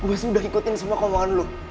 gue sudah ikutin semua kemauan lo